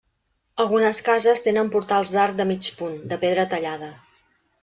Algunes cases tenen portals d'arc de mig punt, de pedra tallada.